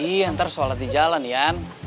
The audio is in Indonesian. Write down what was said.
iya ntar sholat di jalan ian